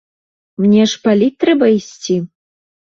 Мне ж паліць трэба ісці.